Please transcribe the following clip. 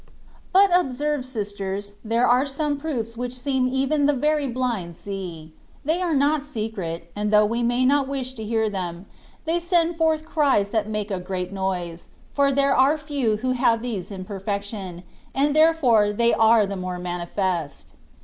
But observe, sisters, there are some proofs which it seems even the very blind see ; they are not secret, and though you may not wish to hear them, they send forth cries that make a great noise, for there are few who have these in perfection, and therefore they are the more manifest.